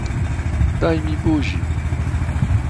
"daj mi buzi!"